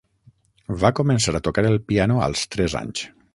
Va començar a tocar el piano als tres anys.